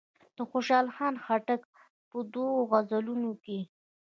د خوشحال خان خټک په دوو غزلونو کې.